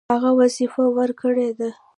هغه وظیفه ورکړې ده.